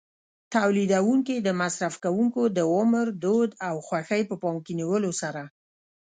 تولیدوونکي د مصرف کوونکو د عمر، دود او خوښۍ په پام کې نیولو سره.